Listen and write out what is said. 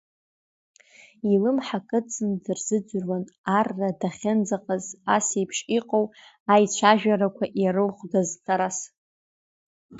Илымҳа кыдҵаны дырзыӡырҩуан, арра дахьынӡаҟаз, ас еиԥш иҟоу аицәажәарақәа ирылхәдаз Тарас.